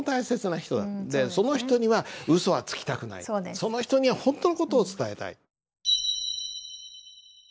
その人には本当の事を伝えたい。